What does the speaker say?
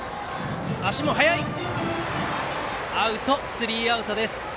スリーアウトです。